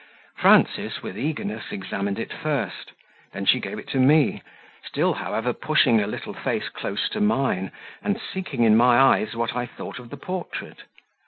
Frances, with eagerness, examined it first; then she gave it to me still, however, pushing her little face close to mine, and seeking in my eyes what I thought of the portrait.